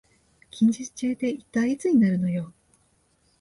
近日中って一体いつになるのよ